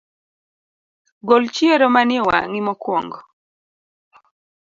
Gol chiero mani ewang’I mokuongo